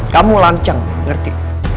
kamu lancang ngerti